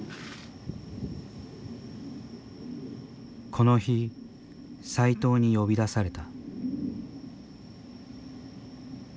この日、斎藤に呼び出された。